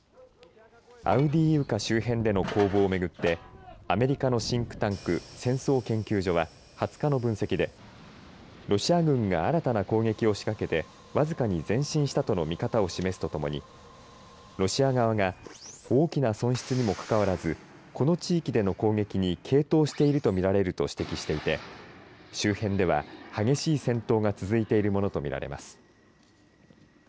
アウディーイウカ周辺での攻防をめぐってアメリカのシンクタンク戦争研究所は２０日の分析でロシア軍が新たな攻撃を仕掛けて僅かに前進したとの見方を示すとともにロシア側が大きな損失にもかかわらずこの地域での攻撃に傾倒しているとみられると指摘していて周辺では激しい戦闘が続いているものとみられます。